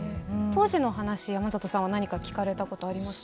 当時の話山里さんは何か聞かれたことありますか？